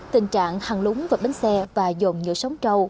tình trạng hằn lún và bánh xe và dồn nhựa sóng trâu